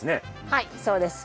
はいそうです。